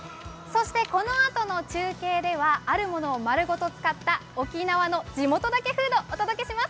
このあとの中継ではあるものを丸ごと使った沖縄の地元だけフード、お届けします。